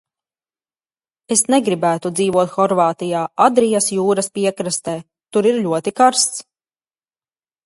Es negribētu dzīvot Horvātijā, Adrijas jūras piekrastē, tur ir ļoti karsts.